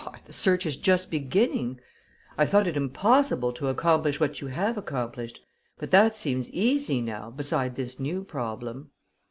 Why, the search is just beginning! I thought it impossible to accomplish what you have accomplished, but that seems easy, now, beside this new problem."